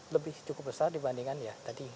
lebih cukup besar dibandingkan ya tadi